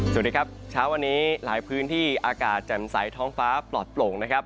สวัสดีครับเช้าวันนี้หลายพื้นที่อากาศแจ่มใสท้องฟ้าปลอดโปร่งนะครับ